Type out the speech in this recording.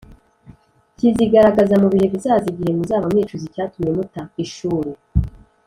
kizigaragaza mu bihe bizaza igihe muzaba mwicuza icyatumye muta ishuri.